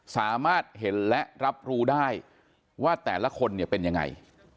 สามารถเห็นและรับรู้ได้ว่าแต่ละคนเนี่ยเป็นยังไง